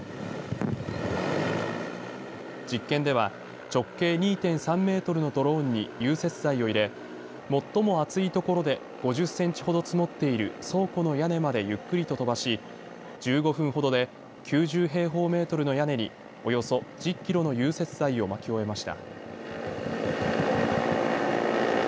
実験では直径２．３メートルのドローンに融雪剤を入れて最も厚いところで５０センチほど積もっている倉庫の屋根までゆっくりと飛ばし１５分ほどで９０平方メートルの屋根におよそ１０キロの融雪剤をまき終えました。